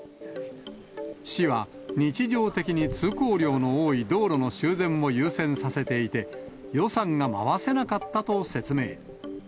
市は日常的に通行量の多い道路の修繕を優先させていて、予算が回せなかったと説明。